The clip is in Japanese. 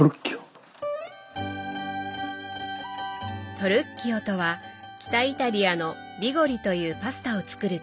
「トルッキオ」とは北イタリアのビゴリというパスタを作る機械。